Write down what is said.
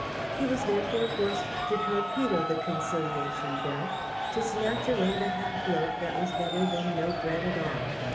He was therefore forced to torpedo the Conciliation Bill, to snatch away the half loaf that was better than no bread at all.